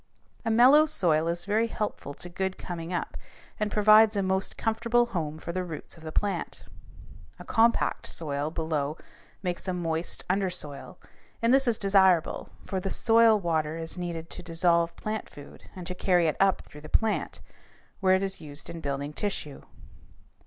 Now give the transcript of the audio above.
A mellow soil is very helpful to good coming up and provides a most comfortable home for the roots of the plant. A compact soil below makes a moist undersoil; and this is desirable, for the soil water is needed to dissolve plant food and to carry it up through the plant, where it is used in building tissue.